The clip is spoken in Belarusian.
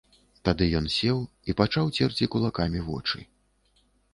Тады ён сеў і пачаў церці кулакамі вочы.